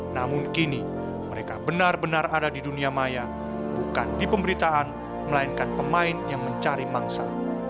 namun kini mereka benar benar ada di dunia maya bukan di pemberitaan melainkan pemain yang mencari mangsa